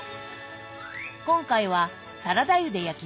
今回はサラダ油で焼きます。